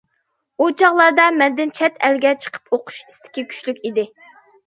ئۇ چاغلاردا مەندە چەت ئەلگە چىقىپ ئوقۇش ئىستىكى كۈچلۈك ئىدى.